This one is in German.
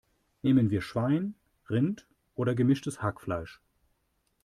Nehmen wir Schwein, Rind oder gemischtes Hackfleisch?